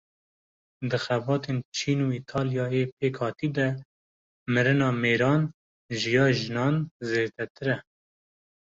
Di xebatên Çîn û Îtalyayê pêkhatî de mirina mêran ji ya jinan zêdetir e.